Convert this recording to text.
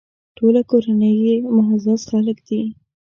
ټوله کورنۍ یې معزز خلک دي.